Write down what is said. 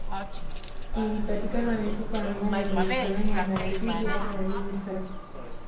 Ilipatikana mifupa ambayo ilifanana na ya twiga wa hivi sasa